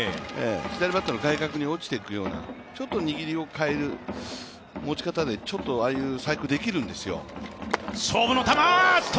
左バッターの対角に落ちていくような、ちょっと握りを変える持ち方で、ああいう細工ができるんですよ。